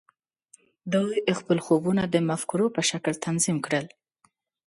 دوی خپل خوبونه د مفکورو په شکل تنظیم کړل